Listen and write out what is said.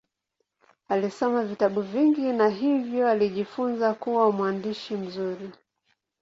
Alisoma vitabu vingi na hivyo alijifunza kuwa mwandishi mzuri.